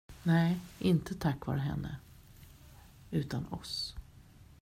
Nej, inte tack vare henne, utan oss.